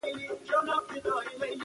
خو شعر د انسان د فطرت غوښتنه ده.